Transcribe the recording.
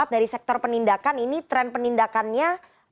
dari sektor penindakan ini tren penindakannya